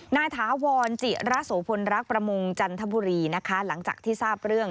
ถาวรจิระโสพลรักประมงจันทบุรีนะคะหลังจากที่ทราบเรื่อง